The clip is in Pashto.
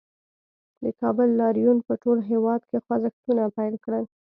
د کابل لاریون په ټول هېواد کې خوځښتونه پیل کړل